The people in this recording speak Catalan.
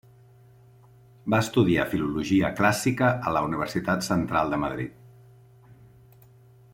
Va estudiar Filologia Clàssica a la Universitat Central de Madrid.